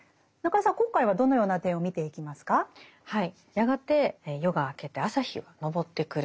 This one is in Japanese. やがて夜が明けて朝日が昇ってくる。